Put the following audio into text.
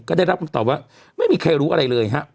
ก็ได้รับคำตอบว่าไม่มีใครรู้อะไรเลยฮะ